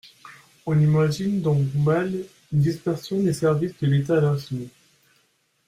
On imagine donc mal une dispersion des services de l’État à l’infini.